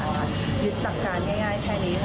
หยุดตัดการ่งง่ายแค่นี้